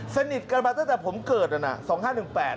สนิทกันมาตั้งแต่ผมเกิดนั่นน่ะสองห้าหนึ่งแปด